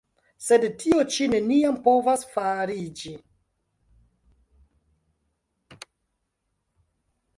Sed tio ĉi neniam povas fariĝi!